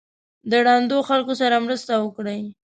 د ړندو خلکو سره مرسته وکړئ.